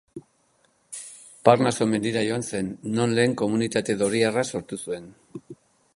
Parnaso mendira joan zen, non lehen komunitate doriarra sortu zuen.